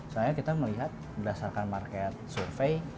soalnya kita melihat berdasarkan market survei